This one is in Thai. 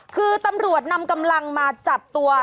คือตำรวจนำกำลังมาจับตัว